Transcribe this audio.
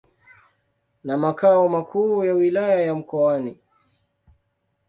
na makao makuu ya Wilaya ya Mkoani.